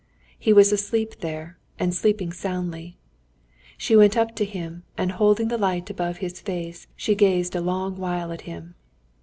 He was asleep there, and sleeping soundly. She went up to him, and holding the light above his face, she gazed a long while at him.